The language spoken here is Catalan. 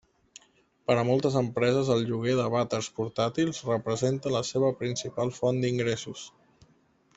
Per a moltes empreses el lloguer de vàters portàtils representa la seva principal font d'ingressos.